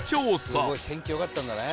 「すごい天気良かったんだね」